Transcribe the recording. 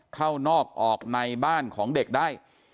เข้านอกออกในบ้านของเด็กได้